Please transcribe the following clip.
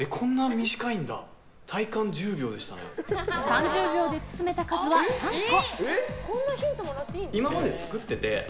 ３０秒で包めた数は３個。